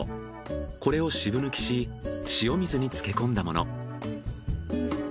これを渋抜きし塩水に漬け込んだもの。